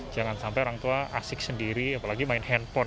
jangan sampai orang tua asik sendiri apalagi main handphone